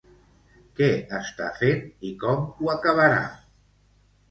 Què està fent i com ho acabarà?